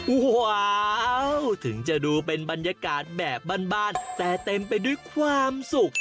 โอ้โหถึงจะดูเป็นบรรยากาศแบบบ้านแต่เต็มไปด้วยความสุข